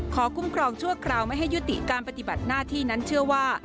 คุ้มครองชั่วคราวไม่ให้ยุติการปฏิบัติหน้าที่นั้นเชื่อว่า